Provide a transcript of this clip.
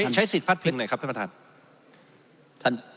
ใช้สิทธิ์พัดพิงหน่อยครับเพื่อนประธาน